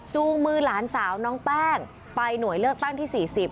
มือหลานสาวน้องแป้งไปหน่วยเลือกตั้งที่๔๐